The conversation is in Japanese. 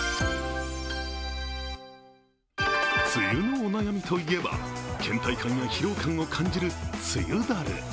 梅雨のお悩みといえばけん怠感や疲労感を感じる梅雨ダル。